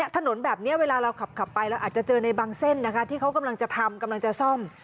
ถนนแบบนี้เวลาเราขับไปเราอาจจะเจอในบางเส้นนะคะที่เขากำลังจะทำกำลังจะซ่อม